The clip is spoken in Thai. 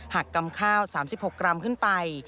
กำข้าว๓๖กรัมขึ้นไป